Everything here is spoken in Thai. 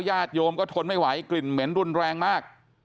ญาติโยมก็ทนไม่ไหวกลิ่นเหม็นรุนแรงมาก